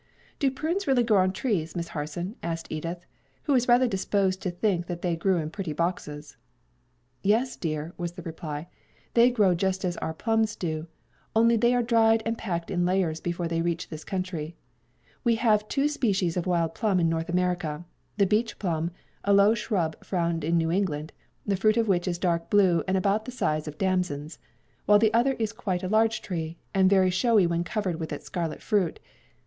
"Do prunes really grow on trees, Miss Harson?" asked Edith, who was rather disposed to think that they grew in pretty boxes. "Yes, dear," was the reply; "they grow just as our plums do, only they are dried and packed in layers before they reach this country. We have two species of wild plum in North America the beach plum, a low shrub found in New England, the fruit of which is dark blue and about the size of damsons; while the other is quite a large tree, and very showy when covered with its scarlet fruit.